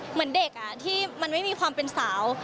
เป็นเด็กที่ไม่มีความเป็นสาว